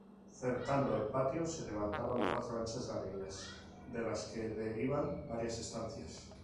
Cercando el patio se levantan cuatro anchas galerías, de las que derivan varias estancias.